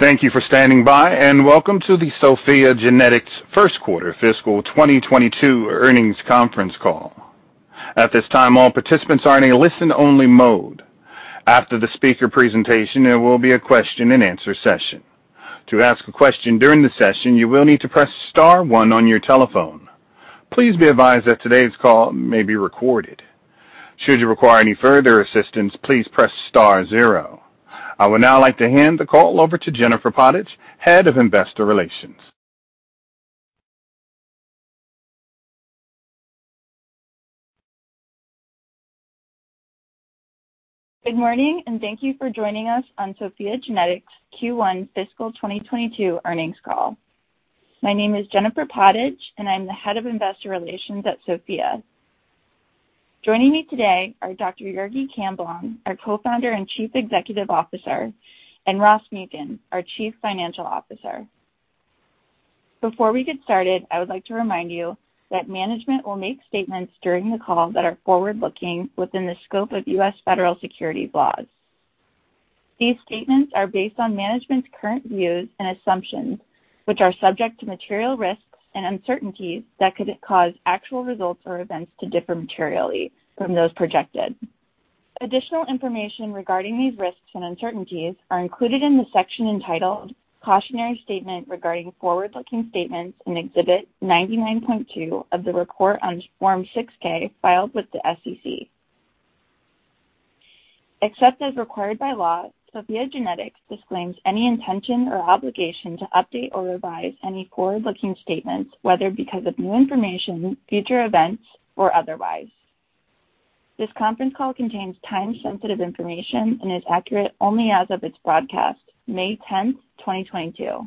Thank you for standing by, and welcome to the SOPHiA GENETICS Q1 fiscal 2022 earnings conference call. At this time, all participants are in a listen-only mode. After the speaker presentation, there will be a question-and-answer session. To ask a question during the session, you will need to press star one on your telephone. Please be advised that today's call may be recorded. Should you require any further assistance, please press star zero. I would now like to hand the call over to Jennifer Pottage, Head of Investor Relations. Good morning, and thank you for joining us on SOPHiA GENETICS Q1 fiscal 2022 earnings call. My name is Jennifer Pottage, and I'm the Head of Investor Relations at SOPHiA GENETICS. Joining me today are Dr. Jurgi Camblong, our Co-founder and Chief Executive Officer, and Ross Muken, our Chief Financial Officer. Before we get started, I would like to remind you that management will make statements during the call that are forward-looking within the scope of US federal securities laws. These statements are based on management's current views and assumptions, which are subject to material risks and uncertainties that could cause actual results or events to differ materially from those projected. Additional information regarding these risks and uncertainties are included in the section entitled Cautionary Statement Regarding Forward-Looking Statements in Exhibit 99.2 of the report on Form 6-K filed with the SEC. Except as required by law, SOPHiA GENETICS disclaims any intention or obligation to update or revise any forward-looking statements, whether because of new information, future events, or otherwise. This conference call contains time-sensitive information and is accurate only as of its broadcast, May 10th, 2022.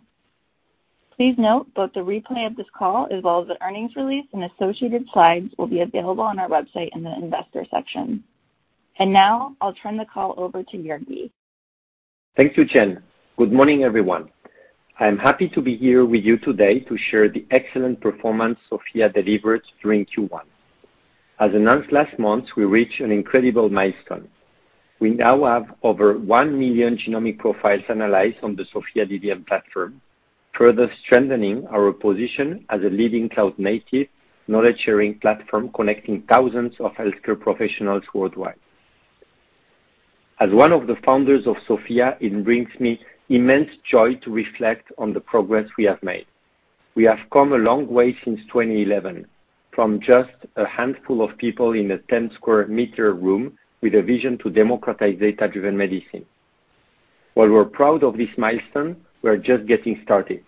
Please note that the replay of this call, as well as the earnings release and associated slides, will be available on our website in the investor section. Now I'll turn the call over to Jurgi. Thank you, Jen. Good morning, everyone. I'm happy to be here with you today to share the excellent performance SOPHiA delivered during Q1. As announced last month, we reached an incredible milestone. We now have over 1 million genomic profiles analyzed on the SOPHiA DDM platform, further strengthening our position as a leading cloud-native knowledge-sharing platform connecting thousands of healthcare professionals worldwide. As one of the founders of SOPHiA, it brings me immense joy to reflect on the progress we have made. We have come a long way since 2011, from just a handful of people in a 10-square-meter room with a vision to democratize data-driven medicine. While we're proud of this milestone, we're just getting started.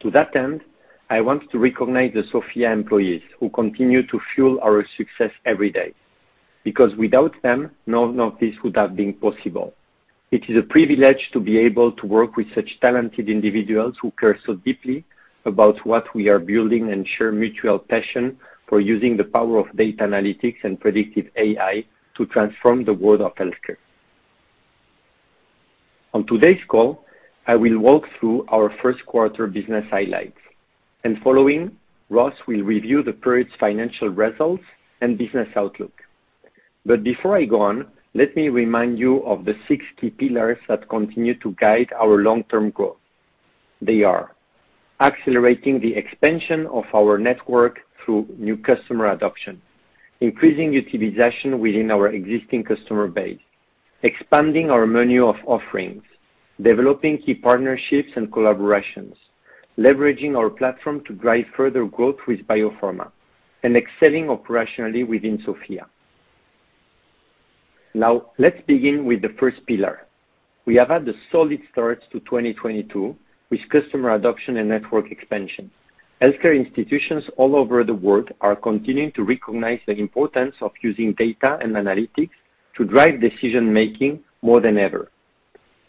To that end, I want to recognize the SOPHiA employees who continue to fuel our success every day, because without them, none of this would have been possible. It is a privilege to be able to work with such talented individuals who care so deeply about what we are building and share mutual passion for using the power of data analytics and predictive AI to transform the world of healthcare. On today's call, I will walk through our Q1 business highlights, and following, Ross will review the period's financial results and business outlook. Before I go on, let me remind you of the six key pillars that continue to guide our long-term growth. They are accelerating the expansion of our network through new customer adoption, increasing utilization within our existing customer base, expanding our menu of offerings, developing key partnerships and collaborations, leveraging our platform to drive further growth with biopharma, and excelling operationally within SOPHiA. Now, let's begin with the first pillar. We have had a solid start to 2022 with customer adoption and network expansion. Healthcare institutions all over the world are continuing to recognize the importance of using data and analytics to drive decision-making more than ever.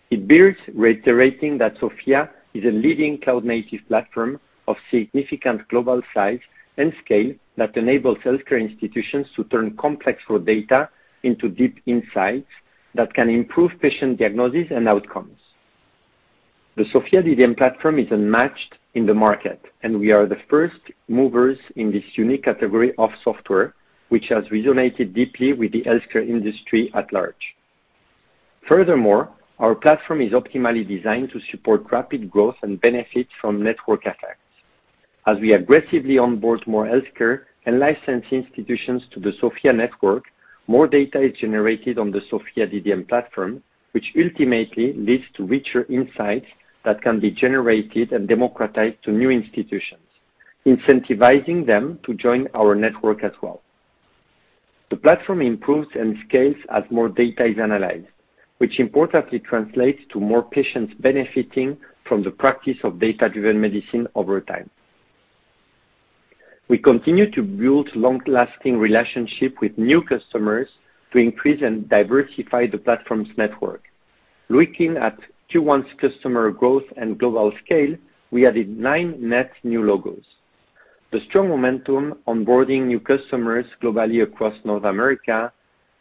It bears reiterating that SOPHiA is a leading cloud-native platform of significant global size and scale that enables healthcare institutions to turn complex raw data into deep insights that can improve patient diagnosis and outcomes. The SOPHiA DDM platform is unmatched in the market, and we are the first movers in this unique category of software, which has resonated deeply with the healthcare industry at large. Furthermore, our platform is optimally designed to support rapid growth and benefit from network effects. As we aggressively onboard more healthcare and licensed institutions to the SOPHiA network, more data is generated on the SOPHiA DDM platform, which ultimately leads to richer insights that can be generated and democratized to new institutions, incentivizing them to join our network as well. The platform improves and scales as more data is analyzed, which importantly translates to more patients benefiting from the practice of data-driven medicine over time. We continue to build long-lasting relationship with new customers to increase and diversify the platform's network. Looking at Q1's customer growth and global scale, we added nine net new logos. The strong momentum onboarding new customers globally across North America,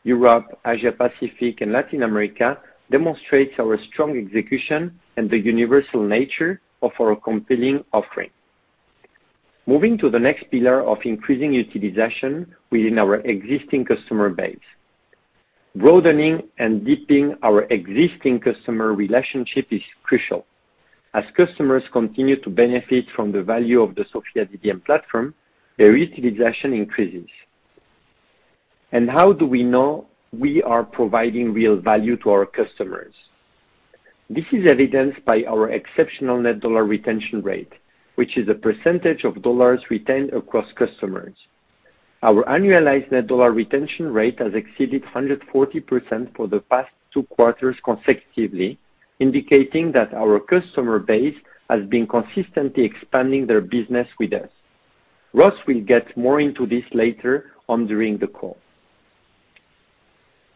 Europe, Asia Pacific, and Latin America demonstrates our strong execution and the universal nature of our compelling offering. Moving to the next pillar of increasing utilization within our existing customer base. Broadening and deepening our existing customer relationship is crucial. As customers continue to benefit from the value of the SOPHiA DDM platform, their utilization increases. How do we know we are providing real value to our customers? This is evidenced by our exceptional net dollar retention rate, which is a percentage of dollars retained across customers. Our annualized net dollar retention rate has exceeded 140% for the past two quarters consecutively, indicating that our customer base has been consistently expanding their business with us. Ross will get more into this later on during the call.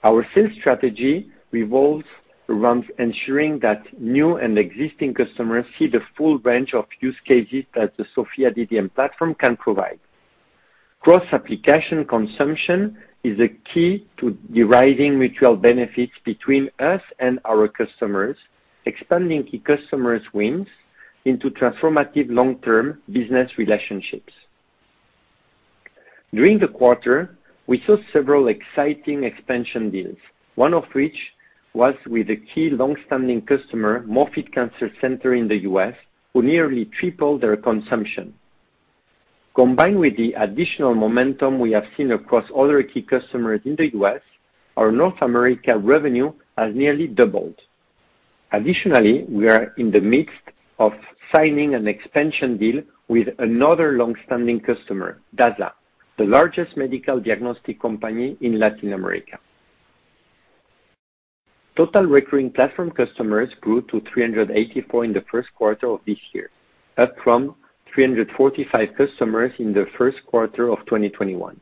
Our sales strategy revolves around ensuring that new and existing customers see the full range of use cases that the SOPHiA DDM platform can provide. Cross-application consumption is a key to deriving mutual benefits between us and our customers, expanding the customers' wins into transformative long-term business relationships. During the quarter, we saw several exciting expansion deals, one of which was with a key long-standing customer, Moffitt Cancer Center in the U.S., who nearly tripled their consumption. Combined with the additional momentum we have seen across other key customers in the U.S., our North America revenue has nearly doubled. Additionally, we are in the midst of signing an expansion deal with another long-standing customer, Dasa, the largest medical diagnostic company in Latin America. Total recurring platform customers grew to 384 in the Q1 of this year, up from 345 customers in the Q1 of 2021.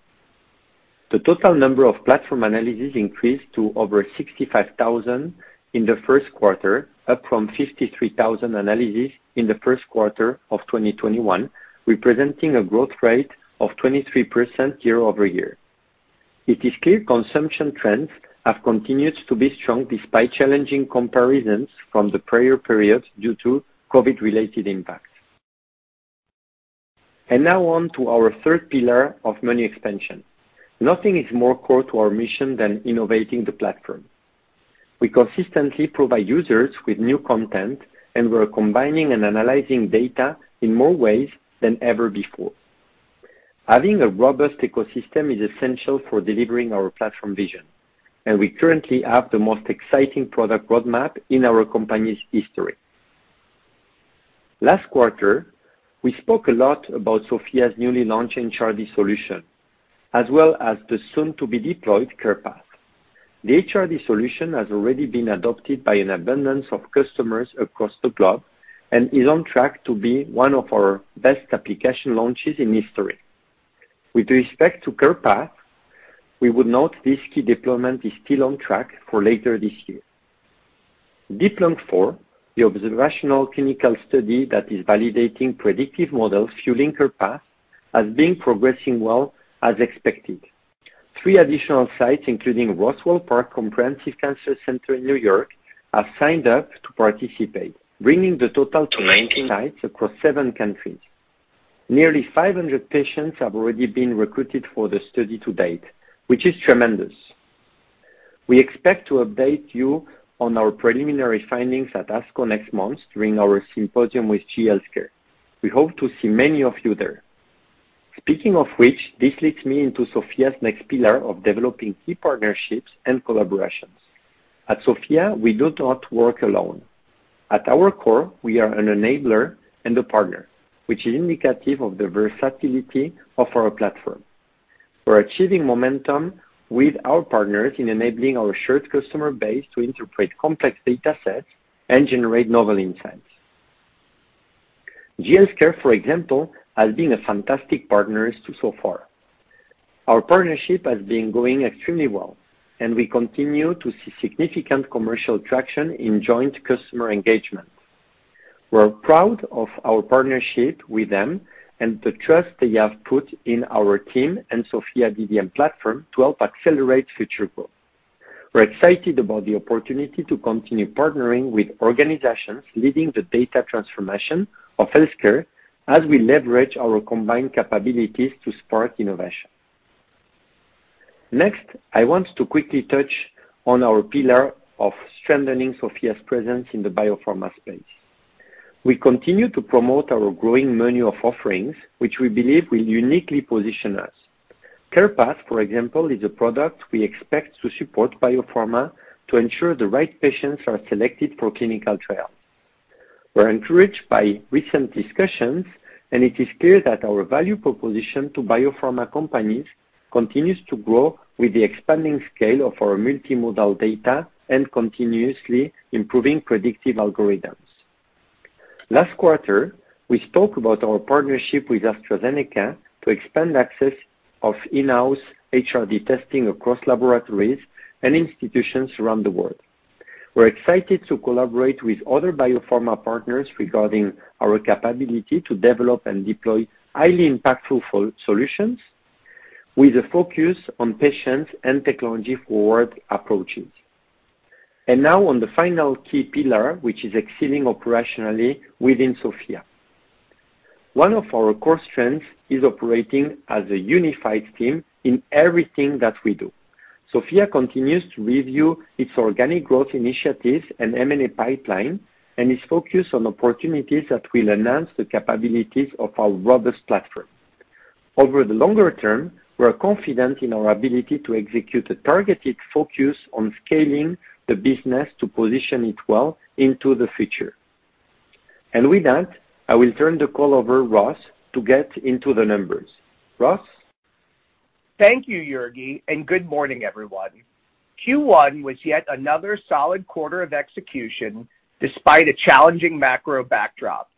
The total number of platform analysis increased to over 65,000 in the Q1, up from 53,000 analysis in the Q1 of 2021, representing a growth rate of 23% year-over-year. It is clear consumption trends have continued to be strong despite challenging comparisons from the prior periods due to COVID-related impacts. Now on to our third pillar of menu expansion. Nothing is more core to our mission than innovating the platform. We consistently provide users with new content, and we're combining and analyzing data in more ways than ever before. Having a robust ecosystem is essential for delivering our platform vision, and we currently have the most exciting product roadmap in our company's history. Last quarter, we spoke a lot about SOPHiA's newly launched HRD solution, as well as the soon-to-be-deployed CarePath. The HRD solution has already been adopted by an abundance of customers across the globe and is on track to be one of our best application launches in history. With respect to CarePath, we would note this key deployment is still on track for later this year. DEEP-Lung-IV, the observational clinical study that is validating predictive models fueling CarePath, has been progressing well as expected. Three additional sites, including Roswell Park Comprehensive Cancer Center in New York, have signed up to participate, bringing the total to 90 sites across seven countries. Nearly 500 patients have already been recruited for the study to date, which is tremendous. We expect to update you on our preliminary findings at ASCO next month during our symposium with GE Healthcare. We hope to see many of you there. Speaking of which, this leads me into SOPHiA's next pillar of developing key partnerships and collaborations. At SOPHiA, we do not work alone. At our core, we are an enabler and a partner, which is indicative of the versatility of our platform. We're achieving momentum with our partners in enabling our shared customer base to interpret complex data sets and generate novel insights. GE Healthcare, for example, has been a fantastic partner so far. Our partnership has been going extremely well, and we continue to see significant commercial traction in joint customer engagement. We're proud of our partnership with them and the trust they have put in our team and SOPHiA DDM platform to help accelerate future growth. We're excited about the opportunity to continue partnering with organizations leading the data transformation of healthcare as we leverage our combined capabilities to spark innovation. Next, I want to quickly touch on our pillar of strengthening SOPHiA's presence in the biopharma space. We continue to promote our growing menu of offerings, which we believe will uniquely position us. CarePath, for example, is a product we expect to support biopharma to ensure the right patients are selected for clinical trials. We're encouraged by recent discussions, and it is clear that our value proposition to biopharma companies continues to grow with the expanding scale of our multimodal data and continuously improving predictive algorithms. Last quarter, we spoke about our partnership with AstraZeneca to expand access of in-house HRD testing across laboratories and institutions around the world. We're excited to collaborate with other biopharma partners regarding our capability to develop and deploy highly impactful solutions with a focus on patients and technology forward approaches. Now on the final key pillar, which is exceeding operationally within SOPHiA. One of our core strengths is operating as a unified team in everything that we do. SOPHiA GENETICS continues to review its organic growth initiatives and M&A pipeline, and is focused on opportunities that will enhance the capabilities of our robust platform. Over the longer term, we're confident in our ability to execute a targeted focus on scaling the business to position it well into the future. With that, I will turn the call over to Ross to get into the numbers. Ross? Thank you, Jurgi, and good morning, everyone. Q1 was yet another solid quarter of execution despite a challenging macro backdrop.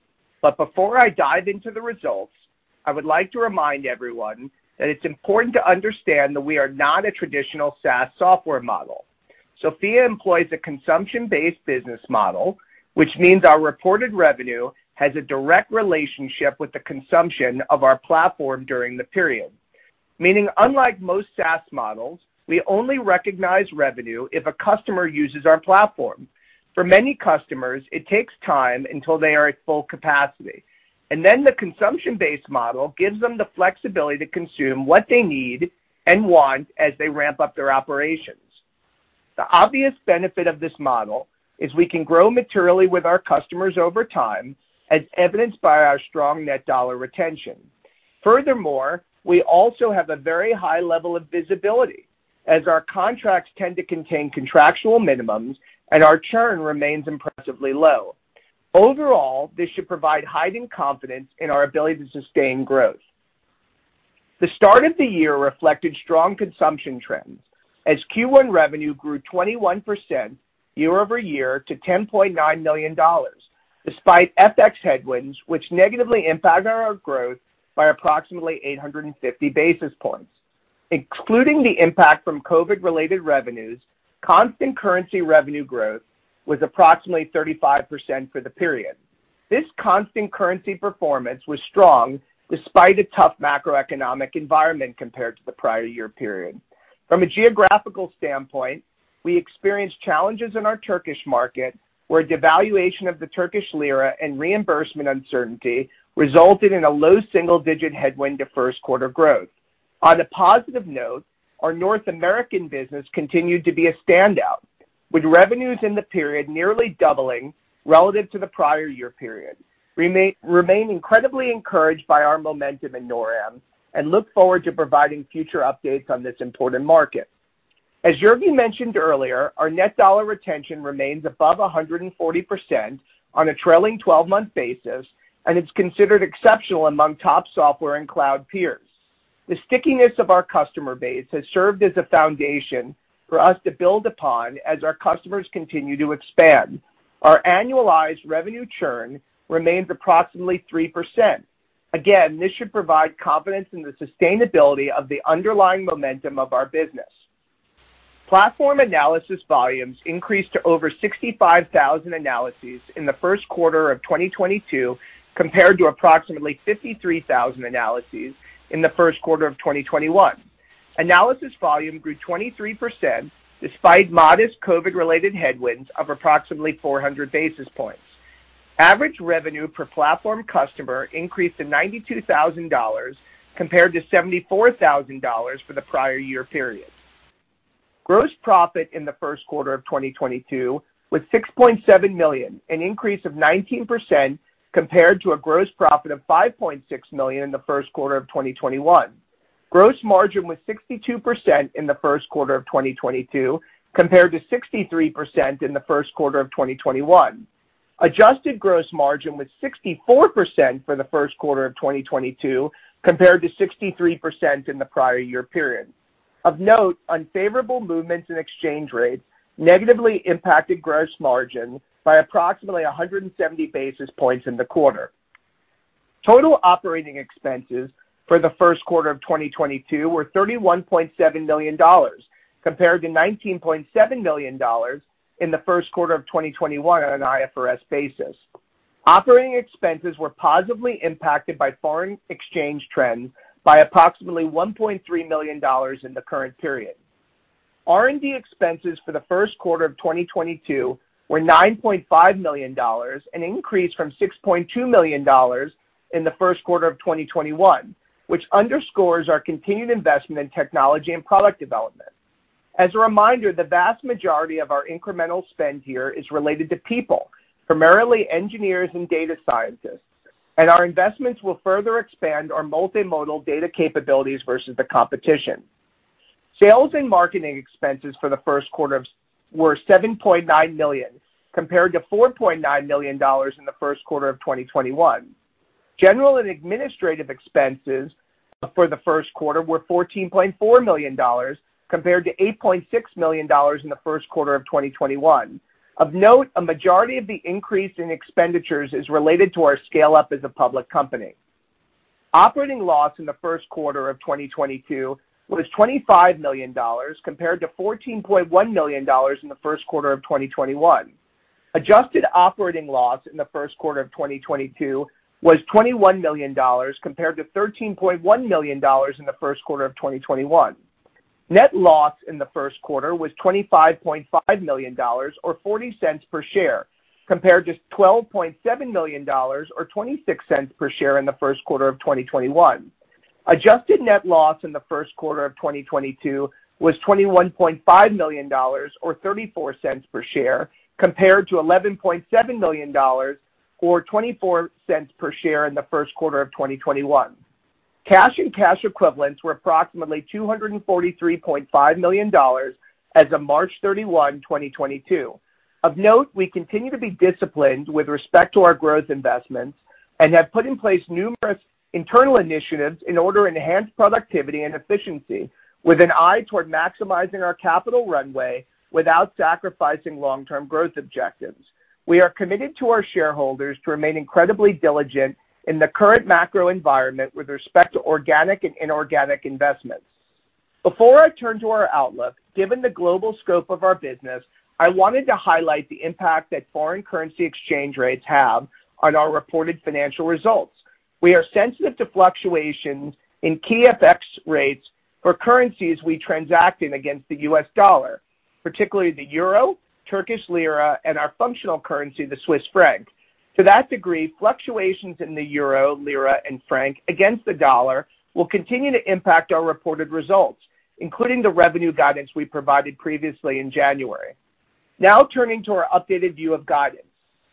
Before I dive into the results, I would like to remind everyone that it's important to understand that we are not a traditional SaaS software model. SOPHiA employs a consumption-based business model, which means our reported revenue has a direct relationship with the consumption of our platform during the period. Meaning unlike most SaaS models, we only recognize revenue if a customer uses our platform. For many customers, it takes time until they are at full capacity, and then the consumption-based model gives them the flexibility to consume what they need and want as they ramp up their operations. The obvious benefit of this model is we can grow materially with our customers over time, as evidenced by our strong net dollar retention. Furthermore, we also have a very high level of visibility as our contracts tend to contain contractual minimums and our churn remains impressively low. Overall, this should provide heightened confidence in our ability to sustain growth. The start of the year reflected strong consumption trends as Q1 revenue grew 21% year-over-year to $10.9 million, despite FX headwinds, which negatively impacted our growth by approximately 850 basis points. Excluding the impact from COVID-related revenues, constant currency revenue growth was approximately 35% for the period. This constant currency performance was strong despite a tough macroeconomic environment compared to the prior year period. From a geographical standpoint, we experienced challenges in our Turkish market, where devaluation of the Turkish lira and reimbursement uncertainty resulted in a low single-digit headwind to Q1 growth. On a positive note, our North American business continued to be a standout, with revenues in the period nearly doubling relative to the prior year period. We remain incredibly encouraged by our momentum in NorAm, and look forward to providing future updates on this important market. As Jurgi mentioned earlier, our net dollar retention remains above 140% on a trailing 12-month basis and it's considered exceptional among top software and cloud peers. The stickiness of our customer base has served as a foundation for us to build upon as our customers continue to expand. Our annualized revenue churn remains approximately 3%. Again, this should provide confidence in the sustainability of the underlying momentum of our business. Platform analysis volumes increased to over 65,000 analyses in the Q1 of 2022 compared to approximately 53,000 analyses in the Q1 of 2021. Analysis volume grew 23% despite modest COVID-related headwinds of approximately 400 basis points. Average revenue per platform customer increased to $92 thousand compared to $74 thousand for the prior year period. Gross profit in the Q1 of 2022 was $6.7 million, an increase of 19% compared to a gross profit of $5.6 million in the Q of 2021. Gross margin was 62% in the Q1 of 2022 compared to 63% in the Q1 of 2021. Adjusted gross margin was 64% for the Q1 of 2022 compared to 63% in the prior year period. Of note, unfavorable movements in exchange rates negatively impacted gross margin by approximately 170 basis points in the quarter. Total operating expenses for the Q1 of 2022 were $31.7 million, compared to $19.7 million in the Q1 of 2021 on an IFRS basis. Operating expenses were positively impacted by foreign exchange trends by approximately $1.3 million in the current period. R&D expenses for the Q1 of 2022 were $9.5 million, an increase from $6.2 million in the Q1 of 2021, which underscores our continued investment in technology and product development. As a reminder, the vast majority of our incremental spend here is related to people, primarily engineers and data scientists, and our investments will further expand our multimodal data capabilities versus the competition. Sales and marketing expenses for the Q1 were $7.9 million, compared to $4.9 million in the Q1 of 2021. General and administrative expenses for the Q1 were $14.4 million, compared to $8.6 million in the Q1 of 2021. Of note, a majority of the increase in expenditures is related to our scale-up as a public company. Operating loss in the Q1 of 2022 was $25 million, compared to $14.1 million in the Q1 of 2021. Adjusted operating loss in the Q1 of 2022 was $21 million, compared to $13.1 million in the Q1 of 2021. Net loss in the Q1 was $25.5 million or $0.40 per share, compared to $12.7 million or $0.26 per share in the Q1 of 2021. Adjusted net loss in the Q1 of 2022 was $21.5 million or $0.34 per share, compared to $11.7 million or $0.24 per share in the Q1 of 2021. Cash and cash equivalents were approximately $243.5 million as of March 31, 2022. Of note, we continue to be disciplined with respect to our growth investments and have put in place numerous internal initiatives in order to enhance productivity and efficiency with an eye toward maximizing our capital runway without sacrificing long-term growth objectives. We are committed to our shareholders to remain incredibly diligent in the current macro environment with respect to organic and inorganic investments. Before I turn to our outlook, given the global scope of our business, I wanted to highlight the impact that foreign currency exchange rates have on our reported financial results. We are sensitive to fluctuations in key FX rates for currencies we transact in against the U.S. dollar, particularly the euro, Turkish lira, and our functional currency, the Swiss franc. To that degree, fluctuations in the euro, lira, and franc against the dollar will continue to impact our reported results, including the revenue guidance we provided previously in January. Now turning to our updated view of guidance.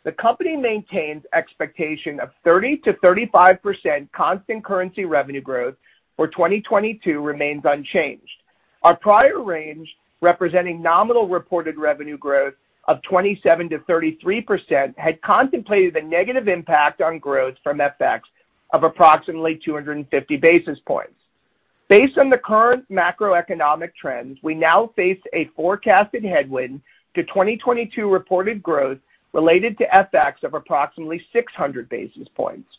The company maintains expectation of 30%-35% constant currency revenue growth for 2022 remains unchanged. Our prior range, representing nominal reported revenue growth of 27%-33%, had contemplated the negative impact on growth from FX of approximately 250 basis points. Based on the current macroeconomic trends, we now face a forecasted headwind to 2022 reported growth related to FX of approximately 600 basis points.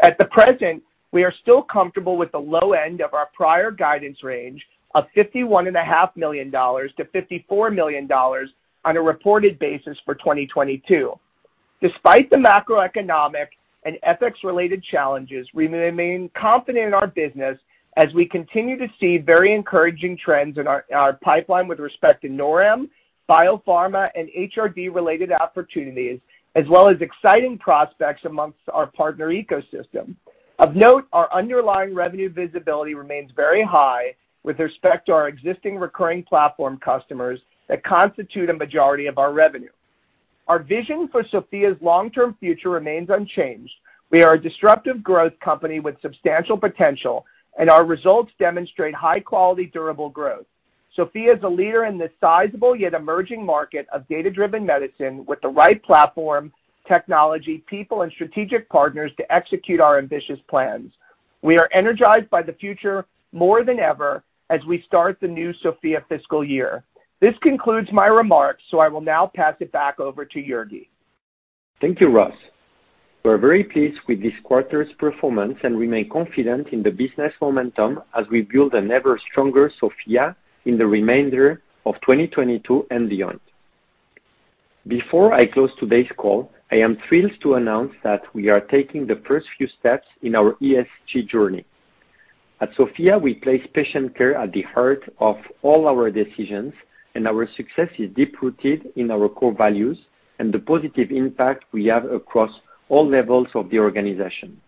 At the present, we are still comfortable with the low end of our prior guidance range of $51.5 million-$54 million on a reported basis for 2022. Despite the macroeconomic and FX-related challenges, we remain confident in our business as we continue to see very encouraging trends in our pipeline with respect to NORAM, biopharma, and HRD-related opportunities, as well as exciting prospects among our partner ecosystem. Of note, our underlying revenue visibility remains very high with respect to our existing recurring platform customers that constitute a majority of our revenue. Our vision for SOPHiA's long-term future remains unchanged. We are a disruptive growth company with substantial potential, and our results demonstrate high-quality, durable growth. SOPHiA is a leader in this sizable yet emerging market of data-driven medicine with the right platform, technology, people, and strategic partners to execute our ambitious plans. We are energized by the future more than ever as we start the new SOPHiA fiscal year. This concludes my remarks, so I will now pass it back over to Jurgi. Thank you, Ross. We're very pleased with this quarter's performance and remain confident in the business momentum as we build an ever-stronger SOPHiA in the remainder of 2022 and beyond. Before I close today's call, I am thrilled to announce that we are taking the first few steps in our ESG journey. At SOPHiA, we place patient care at the heart of all our decisions, and our success is deep-rooted in our core values and the positive impact we have across all levels of the organization.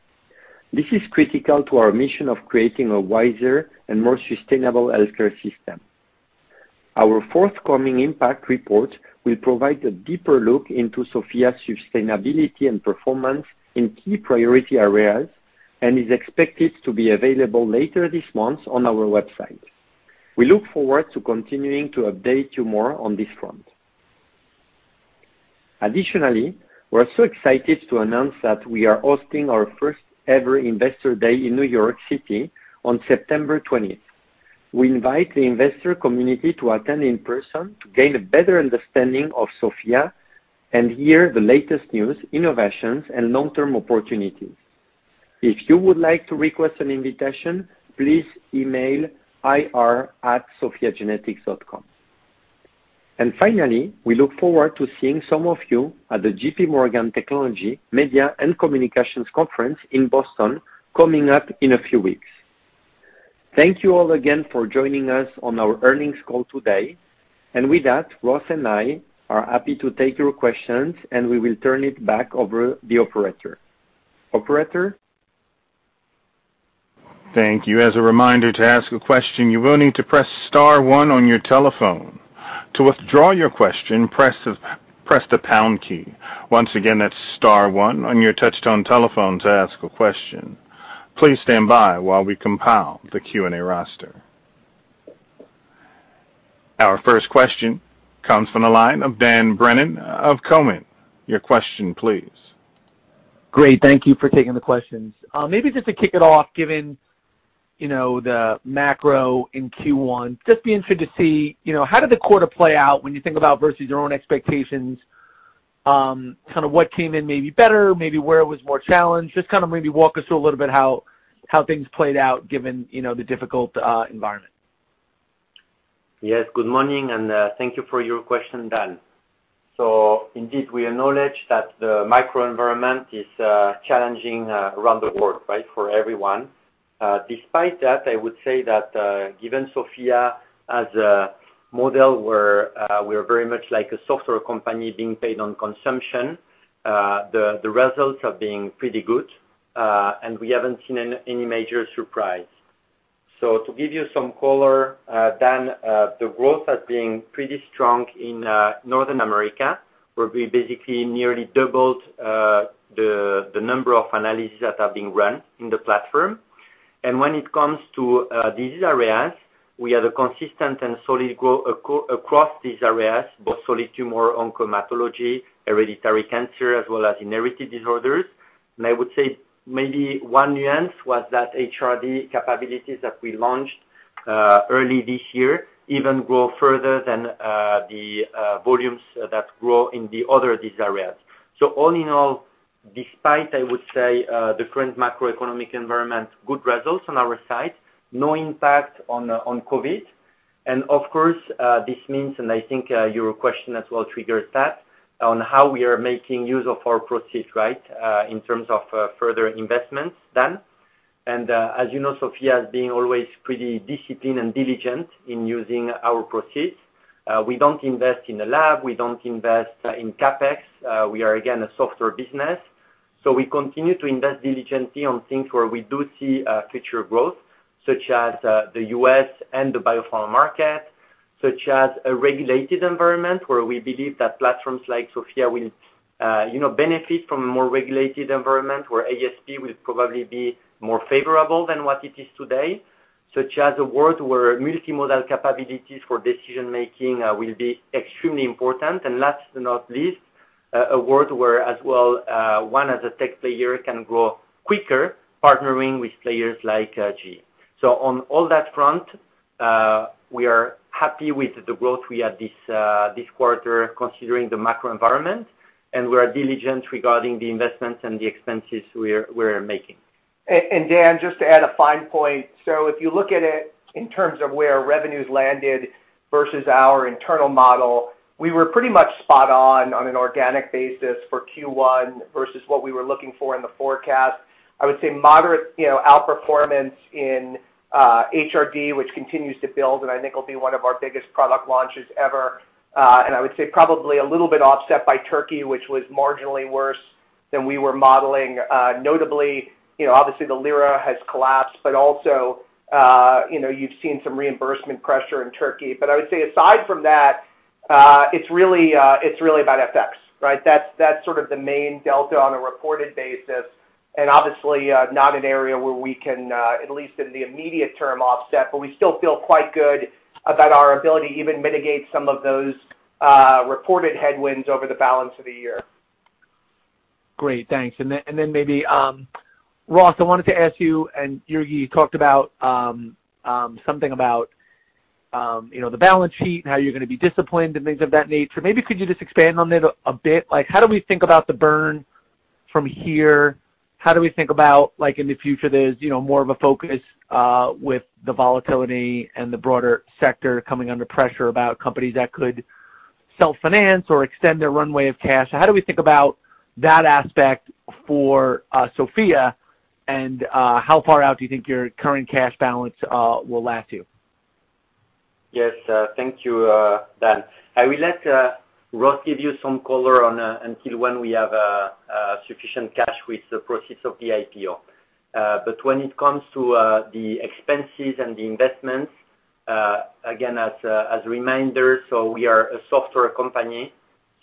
This is critical to our mission of creating a wiser and more sustainable healthcare system. Our forthcoming impact report will provide a deeper look into SOPHiA's sustainability and performance in key priority areas and is expected to be available later this month on our website. We look forward to continuing to update you more on this front. Additionally, we're so excited to announce that we are hosting our first-ever Investor Day in New York City on September twentieth. We invite the investor community to attend in person to gain a better understanding of SOPHiA and hear the latest news, innovations, and long-term opportunities. If you would like to request an invitation, please email ir@sophiagenetics.com. Finally, we look forward to seeing some of you at the JPMorgan Global Technology, Media and Communications Conference in Boston coming up in a few weeks. Thank you all again for joining us on our earnings call today. With that, Ross and I are happy to take your questions, and we will turn it back over the operator. Operator? Thank you. As a reminder, to ask a question, you will need to press star one on your telephone. To withdraw your question, press the pound key. Once again, that's star one on your touchtone telephone to ask a question. Please stand by while we compile the Q&A roster. Our first question comes from the line of Dan Brennan of Cowen. Your question, please. Great. Thank you for taking the questions. Maybe just to kick it off, given, you know, the macro in Q1, just be interested to see, you know, how did the quarter play out when you think about versus your own expectations, kind of what came in maybe better, maybe where it was more challenged. Just kind of maybe walk us through a little bit how things played out given, you know, the difficult environment. Yes, good morning, and thank you for your question, Dan. Indeed, we acknowledge that the microenvironment is challenging around the world, right, for everyone. Despite that, I would say that given SOPHiA as a model where we are very much like a software company being paid on consumption, the results are being pretty good, and we haven't seen any major surprise. To give you some color, Dan, the growth has been pretty strong in North America, where we basically nearly doubled the number of analyses that are being run in the platform. When it comes to disease areas, we have a consistent and solid growth across disease areas, both solid tumor, onco-hematology, hereditary cancer, as well as inherited disorders. I would say maybe one nuance was that HRD capabilities that we launched early this year even grow further than the volumes that grow in the other disease areas. All in all, despite I would say the current macroeconomic environment, good results on our side, no impact on COVID. Of course, this means, and I think your question as well triggers that, on how we are making use of our proceeds, right, in terms of further investments then. As you know, SOPHiA has been always pretty disciplined and diligent in using our proceeds. We don't invest in the lab. We don't invest in CapEx. We are, again, a software business. We continue to invest diligently on things where we do see future growth, such as the US and the biopharma market, such as a regulated environment where we believe that platforms like SOPHiA will, you know, benefit from a more regulated environment where ASP will probably be more favorable than what it is today, such as a world where multimodal capabilities for decision-making will be extremely important. Last but not least, a world where as well one as a tech player can grow quicker partnering with players like GE. On all that front, we are happy with the growth we had this quarter considering the macro environment, and we are diligent regarding the investments and the expenses we're making. Dan, just to add a fine point. If you look at it in terms of where revenues landed versus our internal model, we were pretty much spot on on an organic basis for Q1 versus what we were looking for in the forecast. I would say moderate outperformance in HRD, which continues to build, and I think will be one of our biggest product launches ever. I would say probably a little bit offset by Turkey, which was marginally worse than we were modeling, notably, obviously the lira has collapsed, but also, you've seen some reimbursement pressure in Turkey. I would say aside from that, it's really, it's really about FX, right? That's sort of the main delta on a reported basis, and obviously, not an area where we can, at least in the immediate term, offset, but we still feel quite good about our ability to even mitigate some of those reported headwinds over the balance of the year. Great. Thanks. Maybe Ross, I wanted to ask you, and Jurgi, you talked about something about you know, the balance sheet and how you're gonna be disciplined and things of that nature. Maybe could you just expand on it a bit? Like how do we think about the burn from here? How do we think about like in the future, there's you know, more of a focus with the volatility and the broader sector coming under pressure about companies that could self-finance or extend their runway of cash? How do we think about that aspect for SOPHiA, and how far out do you think your current cash balance will last you? Yes. Thank you, Dan. I will let Ross give you some color on until when we have sufficient cash with the proceeds of the IPO. When it comes to the expenses and the investments, again, as a reminder, so we are a software company,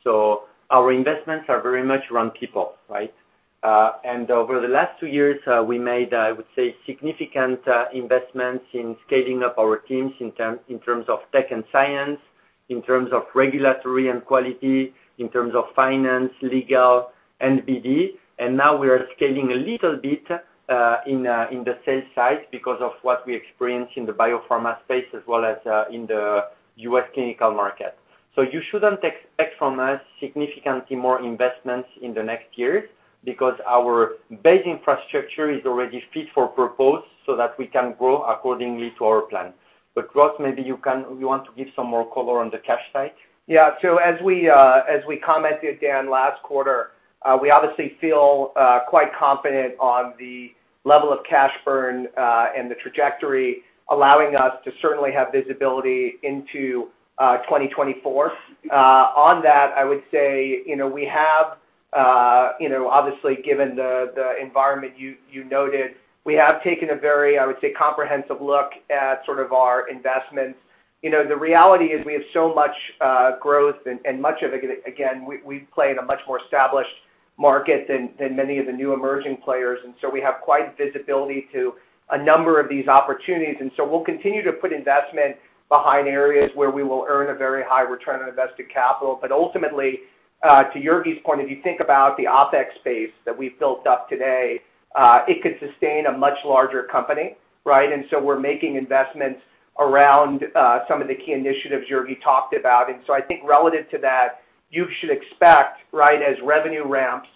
so our investments are very much around people, right? Over the last two years, we made, I would say, significant investments in scaling up our teams in terms of tech and science, in terms of regulatory and quality, in terms of finance, legal, and BD. Now we are scaling a little bit in the sales side because of what we experience in the biopharma space as well as in the U.S. clinical market. You shouldn't expect from us significantly more investments in the next years because our base infrastructure is already fit for purpose so that we can grow accordingly to our plan. But Ross, maybe you want to give some more color on the cash side. Yeah. As we commented, Dan, last quarter, we obviously feel quite confident on the level of cash burn and the trajectory allowing us to certainly have visibility into 2024. On that, I would say, you know, we have, you know, obviously given the environment you noted, we have taken a very, I would say, comprehensive look at sort of our investments. You know, the reality is we have so much growth and much of it, again, we play in a much more established market than many of the new emerging players, and we have quite visibility to a number of these opportunities. We'll continue to put investment behind areas where we will earn a very high return on invested capital. Ultimately, to Jurgi's point, if you think about the OpEx base that we've built up today, it could sustain a much larger company, right? We're making investments around some of the key initiatives Jurgi talked about. I think relative to that, you should expect, right, as revenue ramps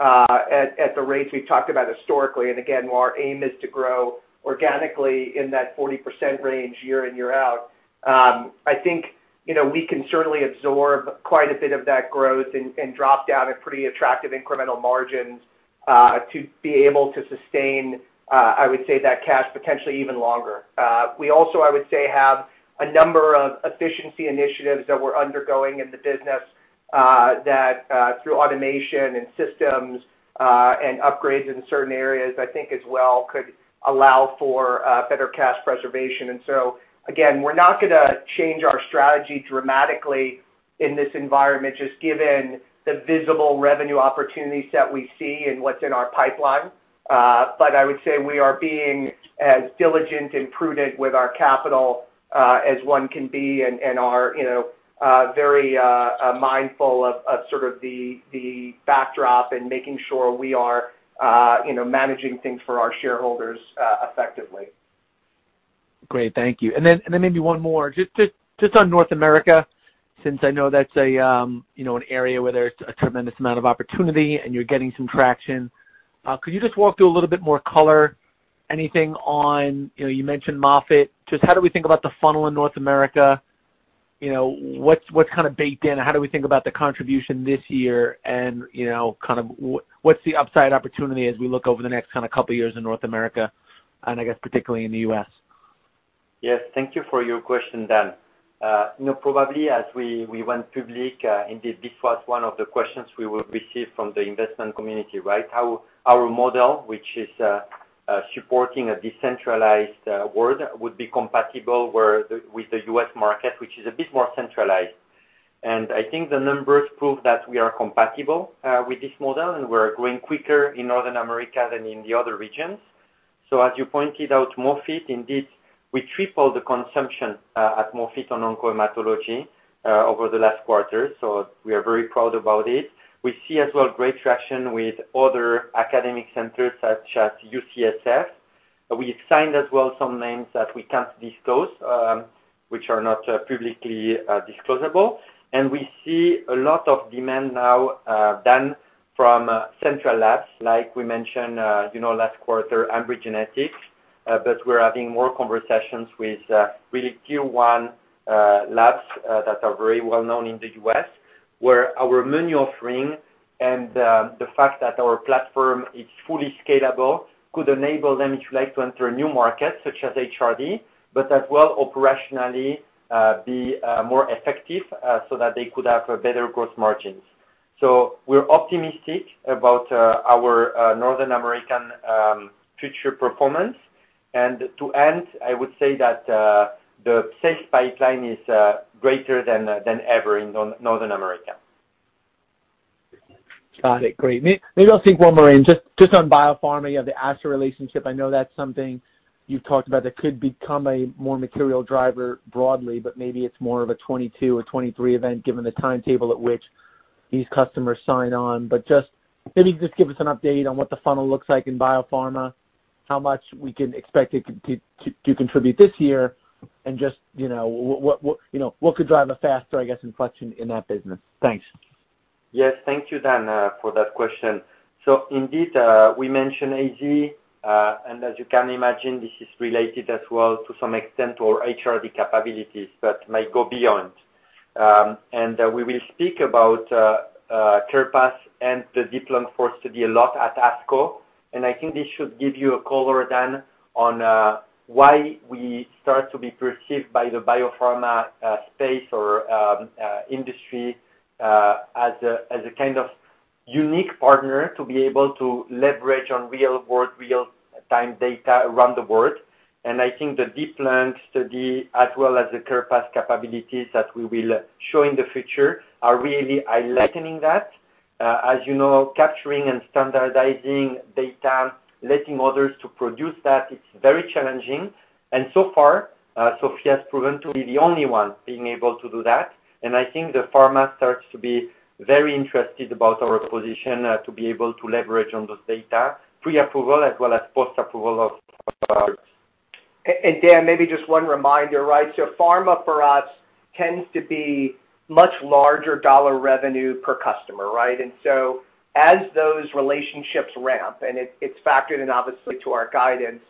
at the rates we've talked about historically, and again while our aim is to grow organically in that 40% range year in, year out, I think, you know, we can certainly absorb quite a bit of that growth and drop down at pretty attractive incremental margins to be able to sustain that cash potentially even longer. We also, I would say, have a number of efficiency initiatives that we're undergoing in the business, that through automation and systems and upgrades in certain areas, I think as well could allow for better cash preservation. Again, we're not gonna change our strategy dramatically in this environment, just given the visible revenue opportunities that we see and what's in our pipeline. I would say we are being as diligent and prudent with our capital as one can be and are, you know, very mindful of sort of the backdrop and making sure we are, you know, managing things for our shareholders effectively. Great. Thank you. Maybe one more. Just on North America, since I know that's a you know an area where there's a tremendous amount of opportunity and you're getting some traction. Could you just walk through a little bit more color, anything on, you know, you mentioned Moffitt. Just how do we think about the funnel in North America? You know, what's kind of baked in? How do we think about the contribution this year? And you know kind of what's the upside opportunity as we look over the next kind of couple years in North America, and I guess particularly in the US? Yes. Thank you for your question, Dan. Probably as we went public, indeed this was one of the questions we will receive from the investment community, right? How our model, which is supporting a decentralized world, would be compatible with the U.S. market, which is a bit more centralized. I think the numbers prove that we are compatible with this model, and we're growing quicker in North America than in the other regions. As you pointed out, Moffitt, indeed, we tripled the consumption at Moffitt on hematology over the last quarter. We are very proud about it. We see as well great traction with other academic centers such as UCSF. We signed as well some names that we can't disclose, which are not publicly discloseable. We see a lot of demand now from central labs, like we mentioned, you know, last quarter, Ambry Genetics. But we're having more conversations with really tier one labs that are very well known in the US, where our menu offering and the fact that our platform is fully scalable could enable them, if you like, to enter a new market such as HRD, but as well operationally be more effective, so that they could have better gross margins. We're optimistic about our North American future performance. To end, I would say that the sales pipeline is greater than ever in North America. Got it. Great. Maybe I'll sneak one more in. Just on biopharma, you have the AstraZeneca relationship. I know that's something you've talked about that could become a more material driver broadly, but maybe it's more of a 2022 or 2023 event, given the timetable at which these customers sign on. Just, maybe just give us an update on what the funnel looks like in biopharma, how much we can expect it to contribute this year, and just, you know, what could drive a faster, I guess, inflection in that business. Thanks. Yes. Thank you, Dan, for that question. Indeed, we mentioned AstraZeneca. As you can imagine, this is related as well to some extent our HRD capabilities that might go beyond. We will speak about CarePath and the DEEP-Lung-IV study a lot at ASCO. I think this should give you a color, Dan, on why we start to be perceived by the biopharma space or industry as a kind of unique partner to be able to leverage on real-world, real-time data around the world. I think the DEEP-Lung-IV study, as well as the CarePath capabilities that we will show in the future are really enlightening that. As you know, capturing and standardizing data, letting others to produce that, it's very challenging. So far, SOPHiA has proven to be the only one being able to do that. I think the pharma starts to be very interested about our position, to be able to leverage on those data, pre-approval as well as post-approval of products. Dan, maybe just one reminder, right? Pharma for us tends to be much larger dollar revenue per customer, right? As those relationships ramp, and it's factored in obviously to our guidance,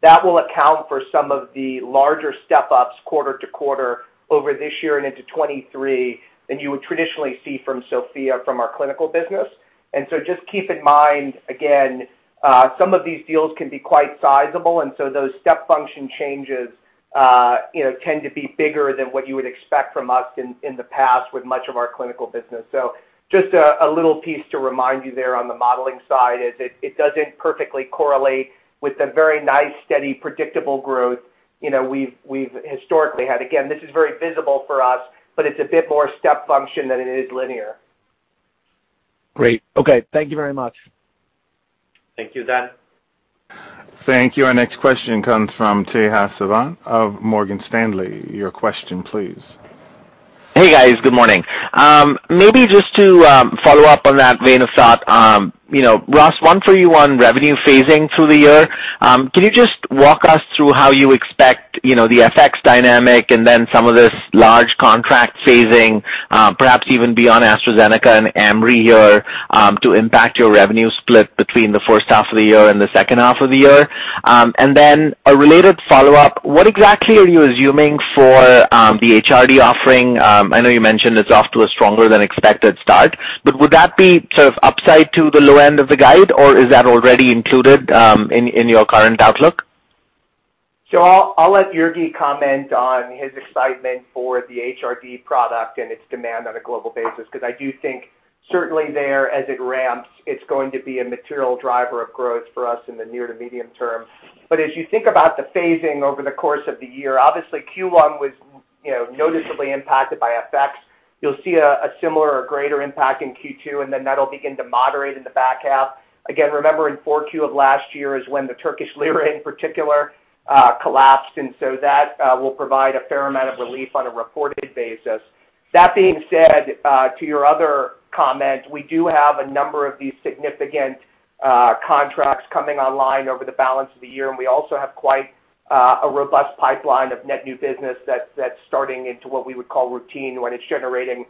that will account for some of the larger step-ups quarter-to-quarter over this year and into 2023 than you would traditionally see from SOPHiA from our clinical business. Just keep in mind, again, some of these deals can be quite sizable, and those step function changes, you know, tend to be bigger than what you would expect from us in the past with much of our clinical business. Just a little piece to remind you there on the modeling side is it doesn't perfectly correlate with the very nice, steady, predictable growth, you know, we've historically had. Again, this is very visible for us, but it's a bit more step function than it is linear. Great. Okay. Thank you very much. Thank you, Dan. Thank you. Our next question comes from Tejas Savant of Morgan Stanley. Your question, please. Hey guys, good morning. Maybe just to follow up on that vein of thought, you know, Ross, one for you on revenue phasing through the year. Can you just walk us through how you expect, you know, the FX dynamic and then some of this large contract phasing, perhaps even beyond AstraZeneca and Ambry here, to impact your revenue split between the first half of the year and the second half of the year? Then a related follow-up, what exactly are you assuming for the HRD offering? I know you mentioned it's off to a stronger than expected start, but would that be sort of upside to the low end of the guide, or is that already included in your current outlook? I'll let Jurgi comment on his excitement for the HRD product and its demand on a global basis, 'cause I do think certainly there as it ramps, it's going to be a material driver of growth for us in the near to medium term. As you think about the phasing over the course of the year, obviously Q1 was, you know, noticeably impacted by FX. You'll see a similar or greater impact in Q2, and then that'll begin to moderate in the back half. Again, remember in Q4 of last year is when the Turkish lira in particular collapsed, and so that will provide a fair amount of relief on a reported basis. That being said, to your other comment, we do have a number of these significant contracts coming online over the balance of the year, and we also have quite a robust pipeline of net new business that's starting into what we would call routine when it's generating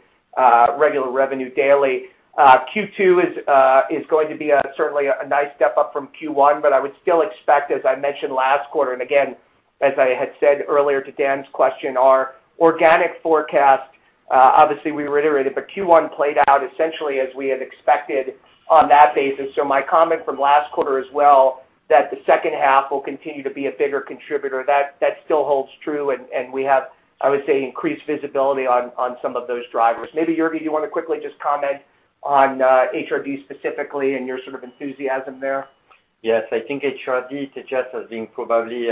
regular revenue daily. Q2 is going to be certainly a nice step up from Q1, but I would still expect, as I mentioned last quarter, and again, as I had said earlier to Dan's question, our organic forecast, obviously we reiterated, but Q1 played out essentially as we had expected on that basis. My comment from last quarter as well, that the second half will continue to be a bigger contributor, that still holds true, and we have, I would say, increased visibility on some of those drivers. Maybe Jurgi, do you wanna quickly just comment on HRD specifically and your sort of enthusiasm there? Yes. I think HRD suggests as being probably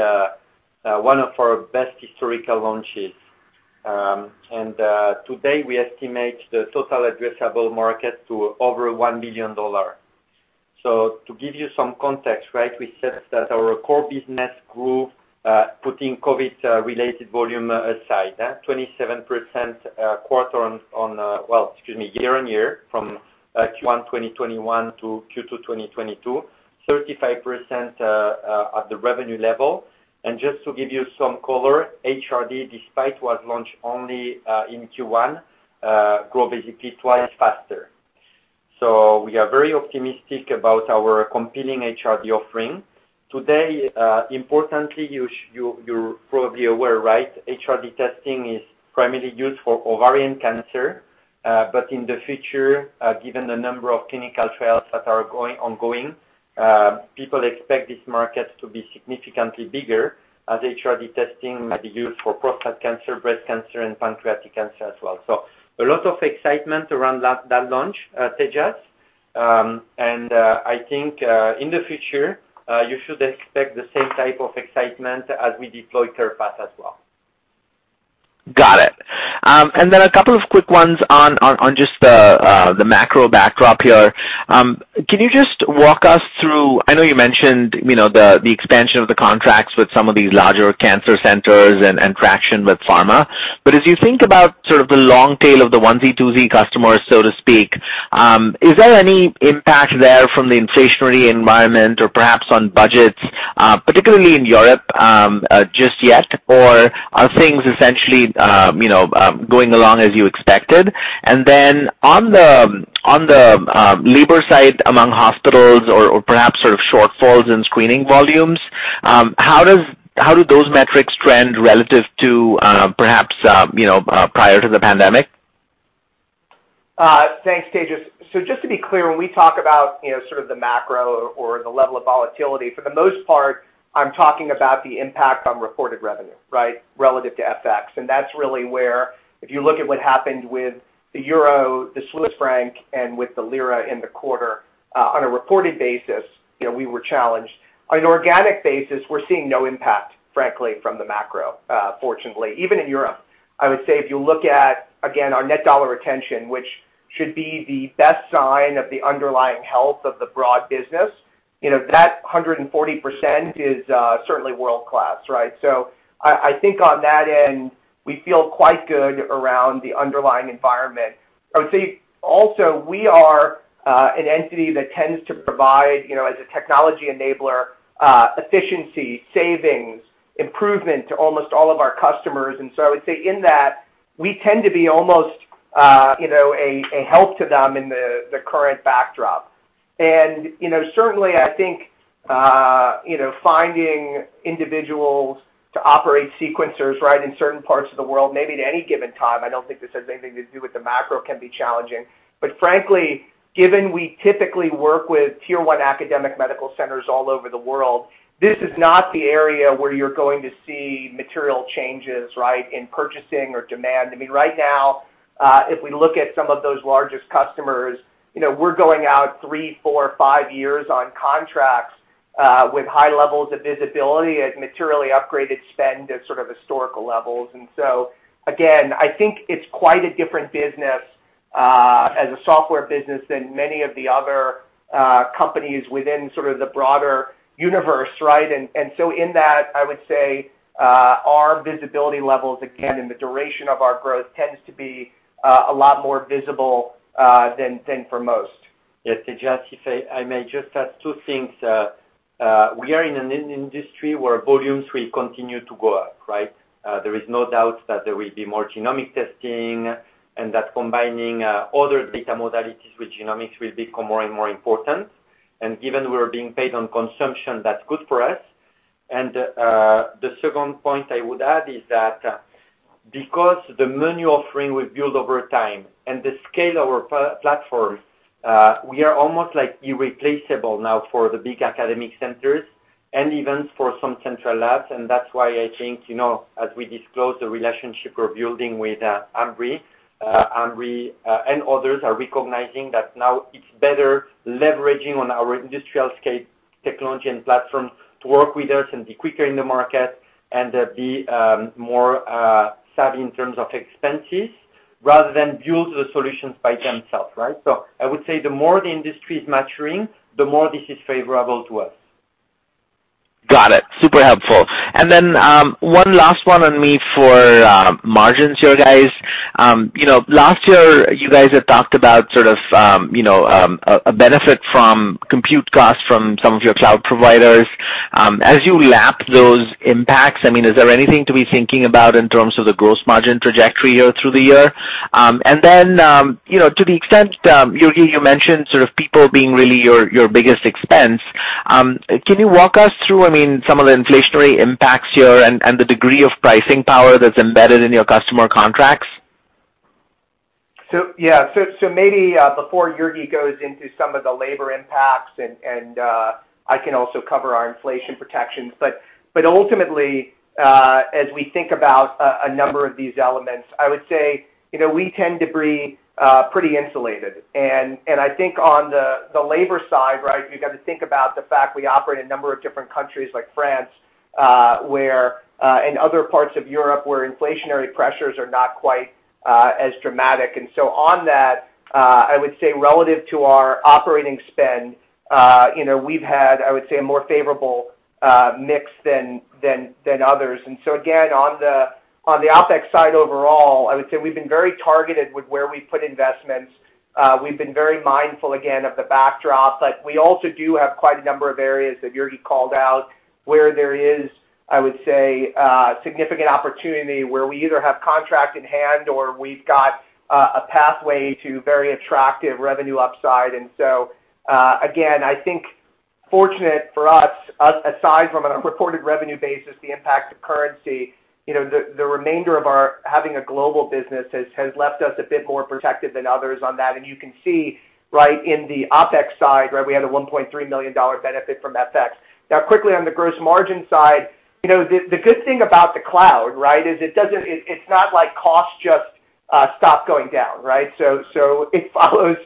one of our best historical launches. Today, we estimate the total addressable market to over $1 billion. To give you some context, right, we said that our core business grew, putting COVID related volume aside, 27% year on year from Q1 2021 to Q2 2022, 35% at the revenue level. Just to give you some color, HRD, despite was launched only in Q1, grew basically twice faster. We are very optimistic about our competing HRD offering. Today, importantly, you're probably aware, right, HRD testing is primarily used for ovarian cancer. In the future, given the number of clinical trials that are ongoing, people expect this market to be significantly bigger as HRD testing might be used for prostate cancer, breast cancer and pancreatic cancer as well. A lot of excitement around that launch, Tejas. I think in the future you should expect the same type of excitement as we deploy CarePath as well. Got it. And then a couple of quick ones on just the macro backdrop here. Can you just walk us through? I know you mentioned, you know, the expansion of the contracts with some of these larger cancer centers and traction with pharma. But as you think about sort of the long tail of the onesie-twosie customers, so to speak, is there any impact there from the inflationary environment or perhaps on budgets, particularly in Europe, just yet? Or are things essentially, you know, going along as you expected? And then on the labor side among hospitals or perhaps sort of shortfalls in screening volumes, how do those metrics trend relative to, perhaps, you know, prior to the pandemic? Thanks, Tejas. Just to be clear, when we talk about, you know, sort of the macro or the level of volatility, for the most part, I'm talking about the impact on reported revenue, right, relative to FX. That's really where, if you look at what happened with the euro, the Swiss franc, and with the lira in the quarter, on a reported basis, you know, we were challenged. On an organic basis, we're seeing no impact, frankly, from the macro, fortunately, even in Europe. I would say if you look at, again, our net dollar retention, which should be the best sign of the underlying health of the broad business, you know, that 140% is certainly world-class, right? I think on that end, we feel quite good around the underlying environment. I would say also, we are an entity that tends to provide, you know, as a technology enabler, efficiency, savings, improvement to almost all of our customers. I would say in that, we tend to be almost, you know, a help to them in the current backdrop. You know, certainly, I think, you know, finding individuals to operate sequencers, right, in certain parts of the world, maybe at any given time, I don't think this has anything to do with the macro, can be challenging. Frankly, given we typically work with tier one academic medical centers all over the world, this is not the area where you're going to see material changes, right, in purchasing or demand. I mean, right now, if we look at some of those largest customers, you know, we're going out three, four, five years on contracts with high levels of visibility at materially upgraded spend at sort of historical levels. Again, I think it's quite a different business as a software business than many of the other companies within sort of the broader universe, right? In that, I would say our visibility levels, again, and the duration of our growth tends to be a lot more visible than for most. Yes. Tejas, if I may just add two things. We are in an industry where volumes will continue to go up, right? There is no doubt that there will be more genomic testing and that combining other data modalities with genomics will become more and more important. Given we are being paid on consumption, that's good for us. The second point I would add is that because the menu offering we've built over time and the scale of our platform, we are almost like irreplaceable now for the big academic centers and even for some central labs. That's why I think, you know, as we disclose the relationship we're building with Ambry and others are recognizing that now it's better leveraging on our industrial scale technology and platform to work with us and be quicker in the market and be more savvy in terms of expenses rather than build the solutions by themselves, right? I would say the more the industry is maturing, the more this is favorable to us. Got it. Super helpful. Then one last one on me for margins here, guys. You know, last year you guys had talked about sort of, you know, a benefit from compute costs from some of your cloud providers. As you lap those impacts, I mean, is there anything to be thinking about in terms of the gross margin trajectory here through the year? You know, to the extent, Jurgi, you mentioned sort of people being really your biggest expense. Can you walk us through, I mean, some of the inflationary impacts here and the degree of pricing power that's embedded in your customer contracts? Maybe before Jurgi goes into some of the labor impacts and I can also cover our inflation protections. Ultimately, as we think about a number of these elements, I would say, you know, we tend to be pretty insulated. I think on the labor side, right, you've got to think about the fact we operate in a number of different countries like France, where and other parts of Europe, where inflationary pressures are not quite as dramatic. On that, I would say relative to our operating spend, you know, we've had, I would say, a more favorable mix than others. Again, on the OpEx side overall, I would say we've been very targeted with where we put investments. We've been very mindful again of the backdrop, but we also do have quite a number of areas that Jurgi called out, where there is, I would say, significant opportunity where we either have contract in hand or we've got a pathway to very attractive revenue upside. Again, I think fortunate for us, aside from a reported revenue basis, the impact of currency, you know, the remainder of our having a global business has left us a bit more protected than others on that. You can see right in the OpEx side, right, we had a $1.3 million benefit from FX. Now, quickly on the gross margin side, you know, the good thing about the cloud, right, is it doesn't, it's not like costs just stop going down, right? It follows,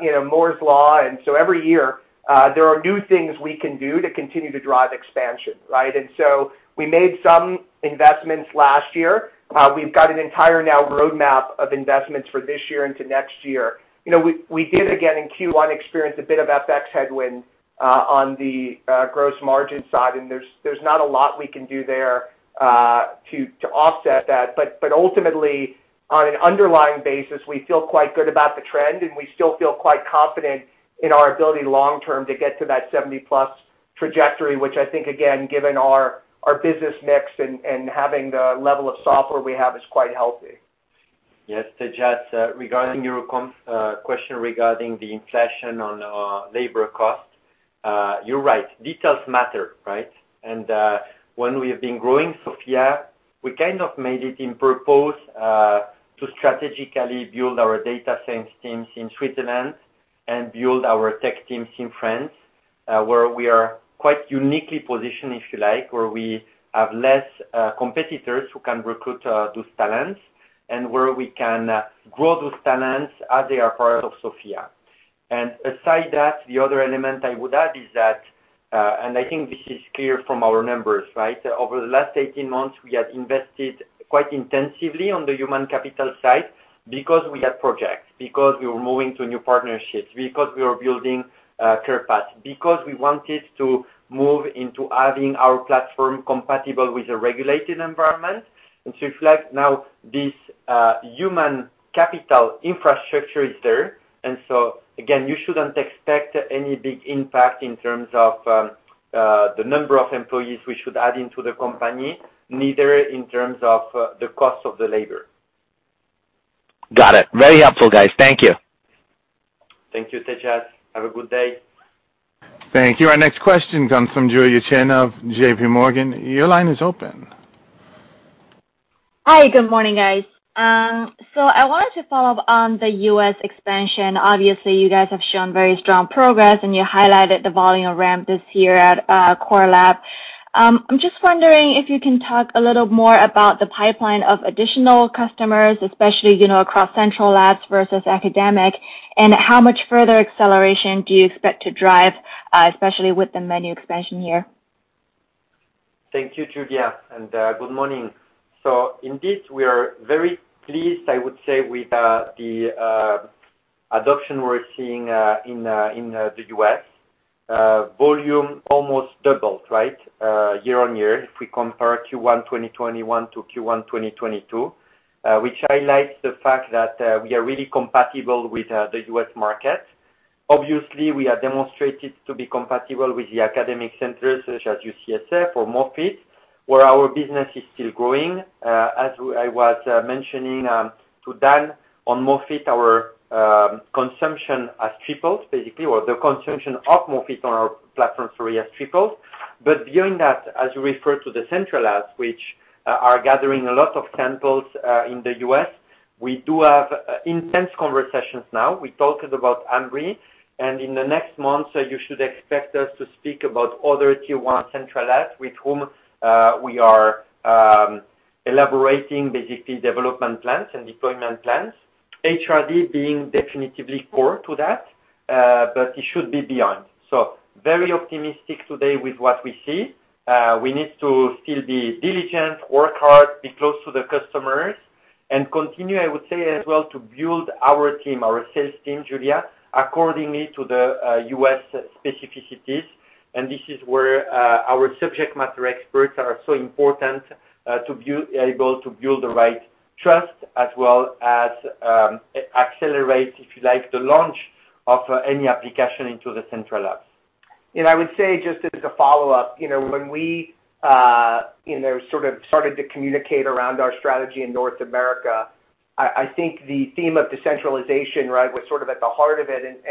you know, Moore's Law. Every year, there are new things we can do to continue to drive expansion, right? We made some investments last year. We've got an entire new roadmap of investments for this year into next year. You know, we did again in Q1 experience a bit of FX headwind on the gross margin side, and there's not a lot we can do there to offset that. But ultimately, on an underlying basis, we feel quite good about the trend, and we still feel quite confident in our ability long term to get to that 70+ trajectory, which I think again, given our business mix and having the level of software we have is quite healthy. Yes. Tejas, regarding your question regarding the inflation on labor costs, you're right, details matter, right? When we have been growing SOPHiA, we kind of made it on purpose to strategically build our data science teams in Switzerland and build our tech teams in France, where we are quite uniquely positioned, if you like, where we have less competitors who can recruit those talents and where we can grow those talents as they are part of SOPHiA. Aside from that, the other element I would add is that, and I think this is clear from our numbers, right? Over the last 18 months, we have invested quite intensively on the human capital side because we had projects, because we were moving to new partnerships, because we were building CarePath, because we wanted to move into having our platform compatible with a regulated environment. If you like, now this human capital infrastructure is there. Again, you shouldn't expect any big impact in terms of the number of employees we should add into the company, neither in terms of the cost of the labor. Got it. Very helpful, guys. Thank you. Thank you, Tejas. Have a good day. Thank you. Our next question comes from Julia Qin of JPMorgan. Your line is open. Hi. Good morning, guys. I wanted to follow up on the U.S. expansion. Obviously, you guys have shown very strong progress, and you highlighted the volume of ramp this year at core lab. I'm just wondering if you can talk a little more about the pipeline of additional customers, especially, you know, across central labs versus academic, and how much further acceleration do you expect to drive, especially with the menu expansion here? Thank you, Julia, and good morning. Indeed, we are very pleased, I would say, with the adoption we're seeing in the U.S. Volume almost doubled, right, year-over-year if we compare Q1 2021 to Q1 2022, which highlights the fact that we are really compatible with the U.S. market. Obviously, we are demonstrated to be compatible with the academic centers such as UCSF or Moffitt, where our business is still growing. I was mentioning to Dan on Moffitt, our consumption has tripled, basically, or the consumption of Moffitt on our platform, sorry, has tripled. Beyond that, as you refer to the central labs, which are gathering a lot of samples in the U.S., we do have intense conversations now. We talked about Ambry, and in the next months, you should expect us to speak about other tier one central labs with whom we are elaborating basically development plans and deployment plans, HRD being definitively core to that, but it should be beyond. Very optimistic today with what we see. We need to still be diligent, work hard, be close to the customers, and continue, I would say as well, to build our team, our sales team, Julia, according to the U.S. specificities. This is where our subject matter experts are so important to be able to build the right trust as well as accelerate, if you like, the launch of any application into the central labs. I would say just as a follow-up, you know, when we, you know, sort of started to communicate around our strategy in North America, I think the theme of decentralization, right, was sort of at the heart of it.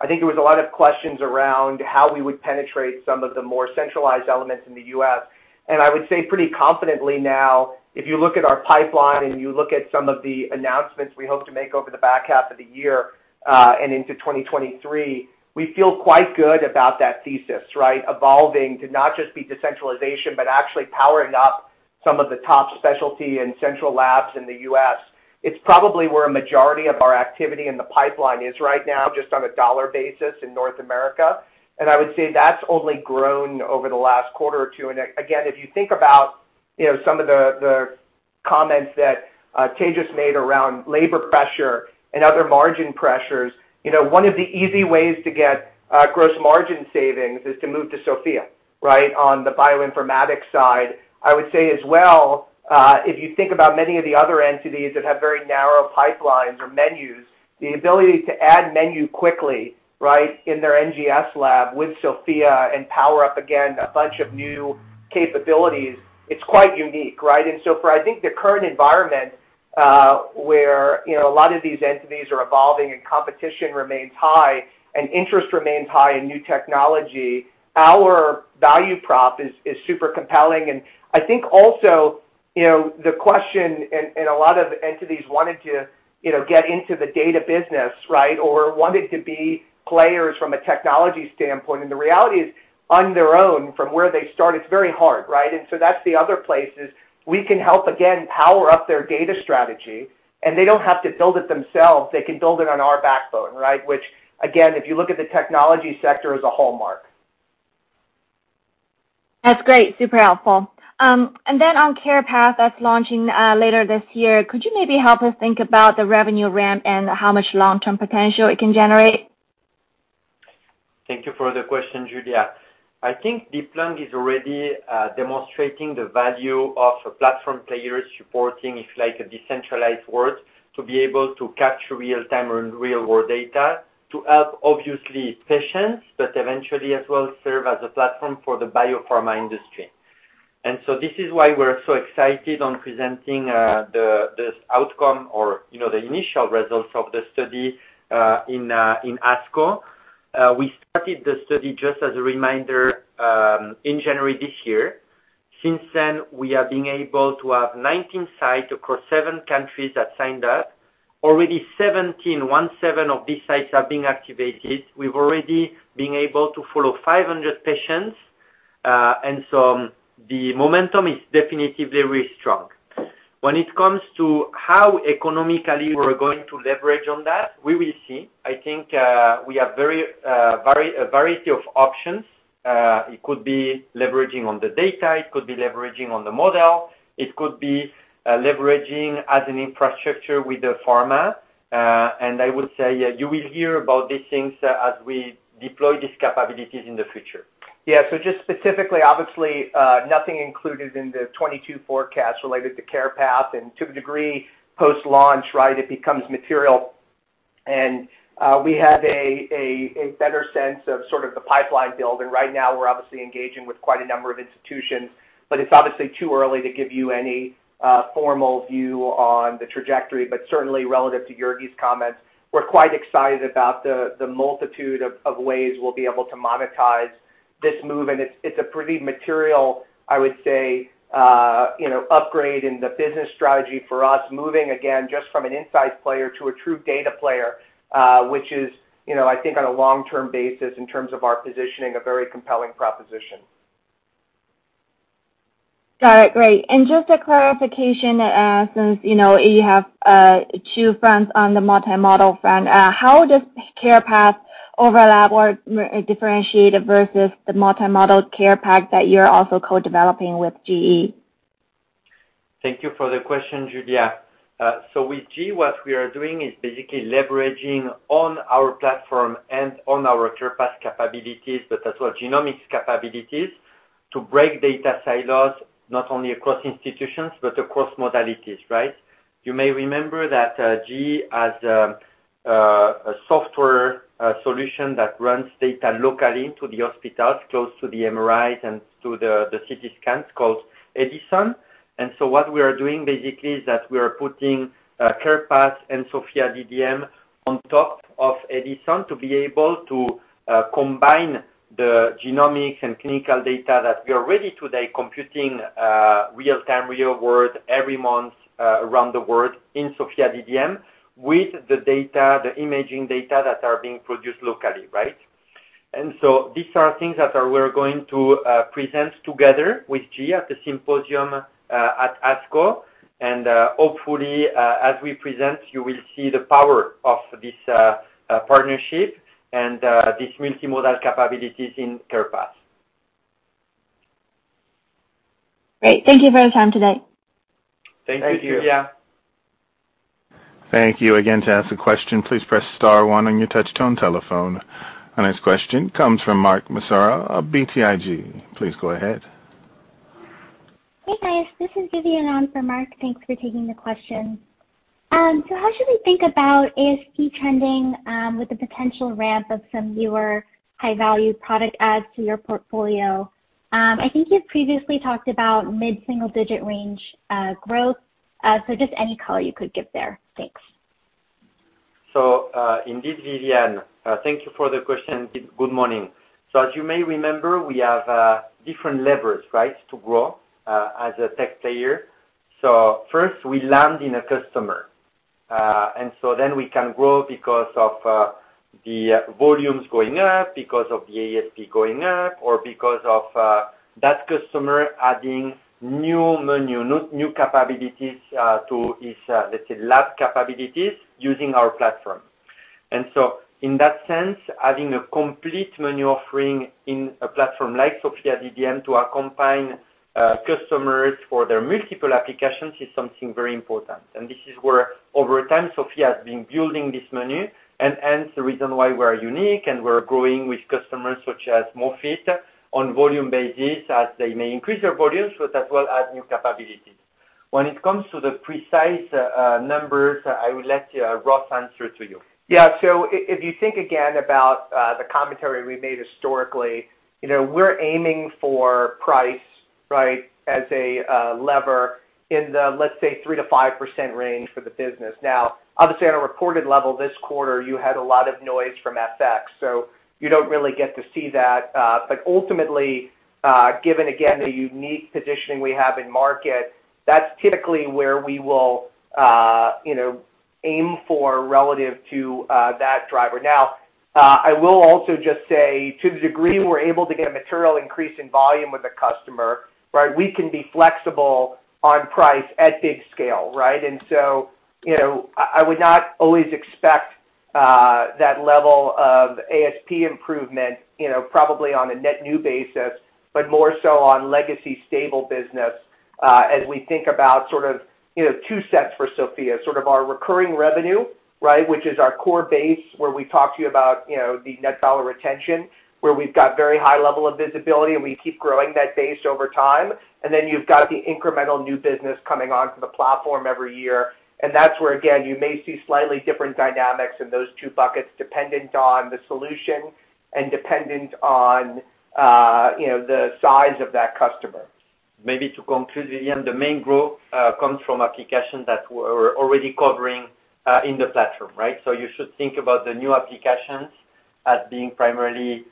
I think there was a lot of questions around how we would penetrate some of the more centralized elements in the US. I would say pretty confidently now, if you look at our pipeline and you look at some of the announcements we hope to make over the back half of the year, and into 2023, we feel quite good about that thesis, right? Evolving to not just be decentralization, but actually powering up some of the top specialty and central labs in the US. It's probably where a majority of our activity in the pipeline is right now, just on a dollar basis in North America. I would say that's only grown over the last quarter or two. Again, if you think about, you know, some of the comments that Tejas made around labor pressure and other margin pressures, you know, one of the easy ways to get gross margin savings is to move to SOPHiA, right, on the bioinformatics side. I would say as well, if you think about many of the other entities that have very narrow pipelines or menus, the ability to add menu quickly, right, in their NGS lab with SOPHiA and power up again a bunch of new capabilities, it's quite unique, right? For, I think, the current environment, where, you know, a lot of these entities are evolving and competition remains high and interest remains high in new technology, our value prop is super compelling. I think also, you know, the question and a lot of entities wanting to, you know, get into the data business, right? Or wanting to be players from a technology standpoint. The reality is, on their own from where they start, it's very hard, right? That's the other place is we can help, again, power up their data strategy, and they don't have to build it themselves. They can build it on our backbone, right? Which again, if you look at the technology sector, is a hallmark. That's great. Super helpful. On CarePath that's launching later this year, could you maybe help us think about the revenue ramp and how much long-term potential it can generate? Thank you for the question, Julia. I think DeepLung is already demonstrating the value of platform players supporting, if you like, a decentralized world to be able to capture real-time and real-world data to help, obviously, patients, but eventually as well serve as a platform for the biopharma industry. This is why we're so excited on presenting this outcome or, you know, the initial results of the study in ASCO. We started the study, just as a reminder, in January this year. Since then, we have been able to have 19 sites across seven countries that signed up. Already 17 of these sites have been activated. We've already been able to follow 500 patients. The momentum is definitely very strong. When it comes to how economically we're going to leverage on that, we will see. I think we have a variety of options. It could be leveraging on the data. It could be leveraging on the model. It could be leveraging as an infrastructure with the pharma. I would say, yeah, you will hear about these things as we deploy these capabilities in the future. Yeah. Just specifically, obviously, nothing included in the 2022 forecast related to CarePath and to a degree post-launch, right? It becomes material. We have a better sense of sort of the pipeline build. Right now we're obviously engaging with quite a number of institutions, but it's obviously too early to give you any formal view on the trajectory. Certainly relative to Jurgi's comments, we're quite excited about the multitude of ways we'll be able to monetize this move. It's a pretty material, I would say, you know, upgrade in the business strategy for us, moving again, just from an insights player to a true data player, which is, you know, I think on a long-term basis in terms of our positioning, a very compelling proposition. Got it. Great. Just a clarification, since you know, you have two fronts on the multimodal front, how does CarePath overlap or differentiate versus the multimodal CarePath that you're also co-developing with GE? Thank you for the question, Julia. With GE, what we are doing is basically leveraging on our platform and on our CarePath capabilities, but as well genomics capabilities to break data silos, not only across institutions, but across modalities, right? You may remember that, GE has a software solution that runs data locally to the hospitals close to the MRIs and to the CT scans called Edison. What we are doing basically is that we are putting CarePath and SOPHiA DDM on top of Edison to be able to combine the genomics and clinical data that we are already today computing real-time, real-world every month around the world in SOPHiA DDM with the data, the imaging data that are being produced locally, right? These are things we're going to present together with GE at the symposium at ASCO. Hopefully, as we present, you will see the power of this partnership and this multimodal capabilities in CarePath. Great. Thank you for your time today. Thank you, Julia. Thank you. Again, to ask a question, please press star one on your touch tone telephone. Our next question comes from Mark Massaro of BTIG. Please go ahead. Hey, guys. This is Vivian on for Mark. Thanks for taking the question. How should we think about ASP trending with the potential ramp of some newer high-value product adds to your portfolio? I think you've previously talked about mid-single digit range growth. Just any color you could give there. Thanks. Indeed, Vivian, thank you for the question. Good morning. As you may remember, we have different levers, right? To grow as a tech player. First we land in a customer, and then we can grow because of the volumes going up, because of the ASP going up, or because of that customer adding new menu, new capabilities to his, let's say, lab capabilities using our platform. In that sense, having a complete menu offering in a platform like SOPHiA DDM to accompany customers for their multiple applications is something very important. This is where over time, SOPHiA has been building this menu, and hence the reason why we're unique and we're growing with customers such as Moffitt on volume basis as they may increase their volumes, but as well add new capabilities. When it comes to the precise numbers, I will let Ross answer to you. Yeah. If you think again about the commentary we made historically, you know, we're aiming for price, right? As a lever in the, let's say, 3%-5% range for the business. Now, obviously, on a reported level this quarter, you had a lot of noise from FX, so you don't really get to see that. Ultimately, given again the unique positioning we have in market, that's typically where we will, you know, aim for relative to that driver. Now, I will also just say to the degree we're able to get a material increase in volume with a customer, right, we can be flexible on price at big scale, right? You know, I would not always expect that level of ASP improvement, you know, probably on a net new basis, but more so on legacy stable business, as we think about sort of, you know, two sets for SOPHiA, sort of our recurring revenue, right? Which is our core base, where we talk to you about, you know, the net dollar retention, where we've got very high level of visibility, and we keep growing that base over time. Then you've got the incremental new business coming onto the platform every year. That's where, again, you may see slightly different dynamics in those two buckets dependent on the solution and dependent on, you know, the size of that customer. Maybe to conclude, Vivian, the main growth comes from applications that we're already covering in the platform, right? You should think about the new applications as being primarily